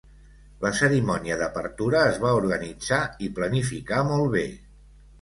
La cerimònia d'apertura es va organitzar i planificar molt bé.